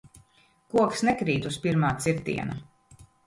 Koks nekrīt uz pirmā cirtiena.